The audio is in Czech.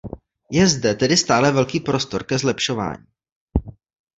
Je zde tedy stále velký prostor ke zlepšování.